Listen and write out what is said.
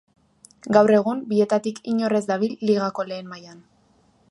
Gaur egun bietatik inor ez dabil Ligako lehen mailan.